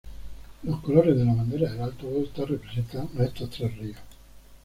Los colores de la bandera del Alto Volta representan a estos tres ríos.